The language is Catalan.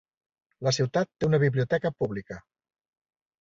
La ciutat té una biblioteca pública.